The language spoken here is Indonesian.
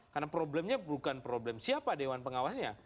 karena problemnya bukan problem siapa dewan pengawasnya